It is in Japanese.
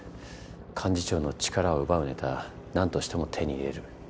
幹事長の力を奪うネタ何としても手に入れる。